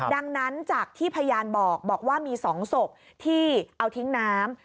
ดังนั้นจากที่พยานบอกบอกว่ามี๒ศพที่เอาทิ้งน้ำ